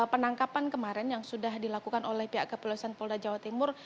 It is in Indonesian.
penangkapan kemarin yang sudah dilakukan oleh pihak kepolisian polda jawa timur